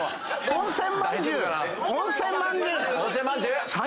温泉まんじゅう！